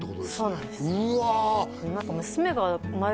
そうなんですうわ